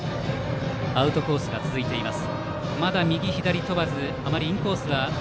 アウトコースが続いてます。